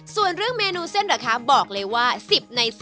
ส่วนเรื่องเมนูเส้นเหรอคะบอกเลยว่า๑๐ใน๑๐